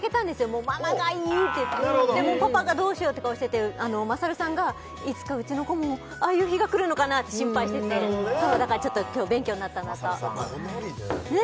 もうママがいいって言ってパパがどうしようって顔してて優さんがいつかうちの子もああいう日が来るのかなって心配しててそうだからちょっと今日勉強になったなとかなりね